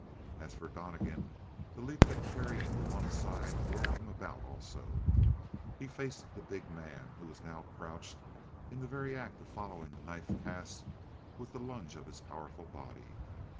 As for Donnegan, the leap that carried him to one side whirled him about also; he faced the big man, who was now crouched in the very act of following the knife cast with the lunge of his powerful body.